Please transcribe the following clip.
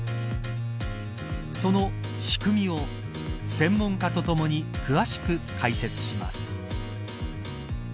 その仕組みを専門家とともに詳しく解説します。